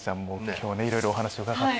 今日いろいろお話伺って。